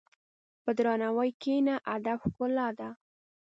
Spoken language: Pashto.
په درناوي کښېنه، ادب ښکلا ده.